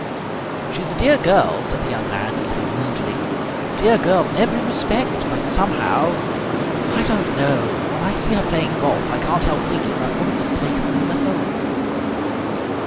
"She is a dear girl," said the young man a little moodily, "a dear girl in every respect. But somehow I don't know when I see her playing golf I can't help thinking that woman's place is in the home."